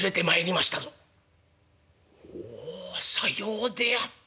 「おさようであった。